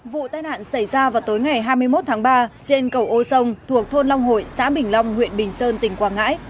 vụ tai nạn xảy ra vào tối ngày hai mươi một tháng ba trên cầu ô sông thuộc thôn long hội xã bình long huyện bình sơn tỉnh quảng ngãi